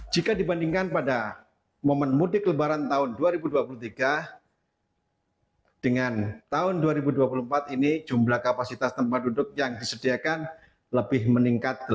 jika dibandingkan pada momen mudik lebaran tahun dua ribu dua puluh tiga dengan tahun dua ribu dua puluh empat ini jumlah kapasitas tempat duduk yang disediakan lebih meningkat delapan persen